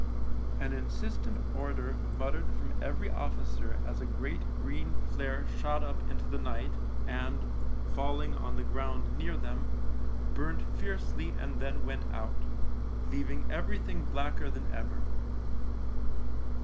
An insistent order muttered from every officer as a great green flare shot up into the night and, falling on the ground near them, burnt fiercely and then went out, leaving everything blacker than ever.